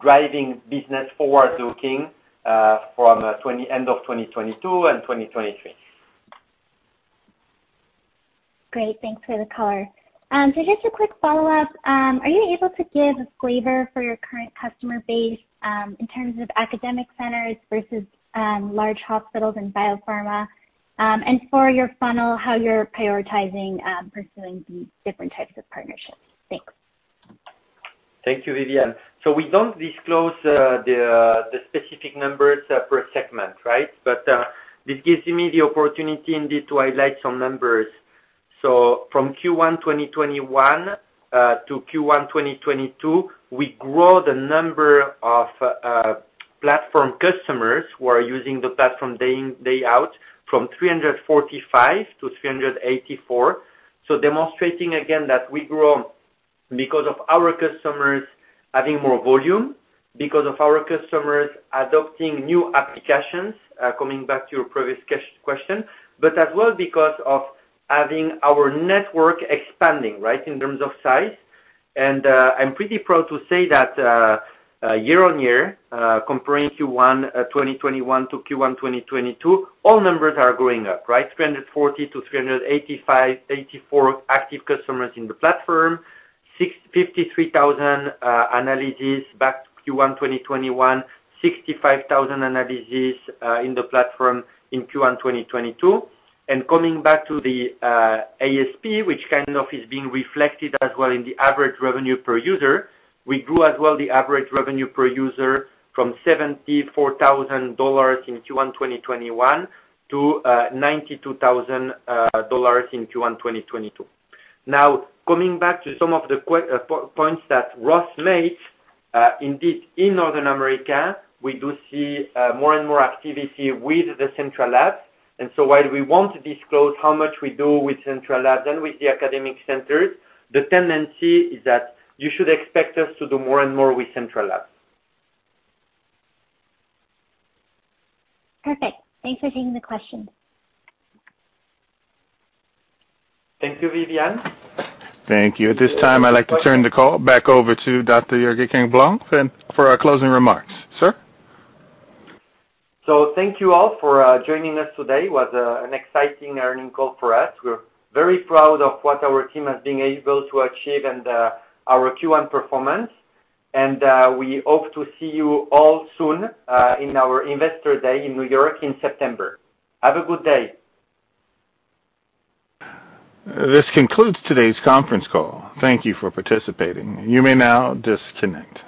driving business forward-looking from end of 2022 and 2023. Great. Thanks for the color. Just a quick follow-up. Are you able to give a flavor for your current customer base, in terms of academic centers versus large hospitals and biopharma? For your funnel, how you're prioritizing pursuing these different types of partnerships. Thanks. Thank you, Vivian. We don't disclose the specific numbers per segment, right? This gives me the opportunity indeed to highlight some numbers. From Q1 2021 to Q1 2022, we grow the number of platform customers who are using the platform day in, day out from 345 to 384. Demonstrating again that we grow because of our customers having more volume, because of our customers adopting new applications, coming back to your previous question, but as well because of having our network expanding, right? In terms of size. I'm pretty proud to say that year-on-year, comparing Q1 2021 to Q1 2022, all numbers are going up, right? 345 to 384 active customers in the platform. 65,000 analyses in Q1 2021. 65,000 analyses in the platform in Q1 2022. Coming back to the ASP, which kind of is being reflected as well in the average revenue per user, we grew as well the average revenue per user from $74,000 in Q1 2021 to $92,000 in Q1 2022. Now, coming back to some of the key points that Ross made, indeed in North America, we do see more and more activity with the central labs. While we won't disclose how much we do with central labs and with the academic centers, the tendency is that you should expect us to do more and more with central labs. Perfect. Thanks for taking the question. Thank you, Vivian. Thank you. At this time, I'd like to turn the call back over to Dr. Jurgi Camblong for our closing remarks. Sir? Thank you all for joining us today. It was an exciting earnings call for us. We're very proud of what our team has been able to achieve and our Q1 performance. We hope to see you all soon in our Investor Day in New York in September. Have a good day. This concludes today's conference call. Thank you for participating. You may now disconnect.